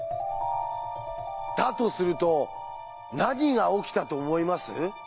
だとすると何が起きたと思います？